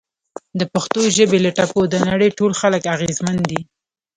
د پښتو ژبې له ټپو د نړۍ ټول خلک اغیزمن دي!